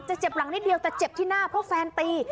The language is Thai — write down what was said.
เจ็บหลังนิดเดียวแต่เจ็บที่หน้าเพราะแฟนตี